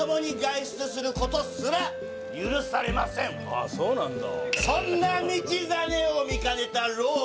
あっそうなんだ。